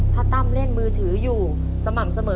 ถ้าตั้มเล่นมือถืออยู่สม่ำเสมอ